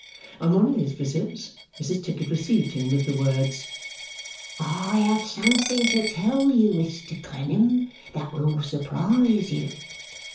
On one of his visits Mrs Tickit received him with the words, 'I have something to tell you, Mr Clennam, that will surprise you.